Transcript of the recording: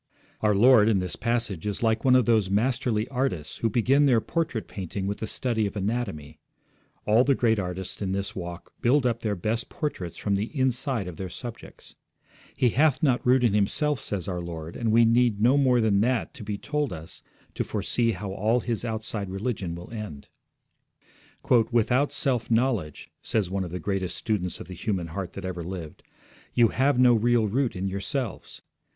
Our Lord in this passage is like one of those masterly artists who begin their portrait painting with the study of anatomy. All the great artists in this walk build up their best portraits from the inside of their subjects. He hath not root in himself, says our Lord, and we need no more than that to be told us to foresee how all his outside religion will end. 'Without self knowledge,' says one of the greatest students of the human heart that ever lived, 'you have no real root in yourselves.